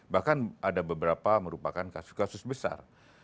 bahkan ada beberapa merupakan kasus kasus besar